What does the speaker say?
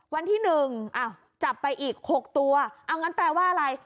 วันที่๑จับไปอีก๖ตัวเอางั้นแปลว่าอะไร